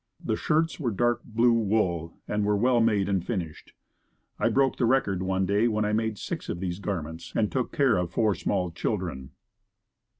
The shirts were dark blue wool and were well made and finished. I broke the record one day when I made six of these garments and took care of four small children.